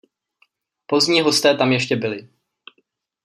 Pozdní hosté tam ještě byli.